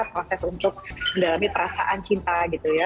proses untuk mendalami perasaan cinta gitu ya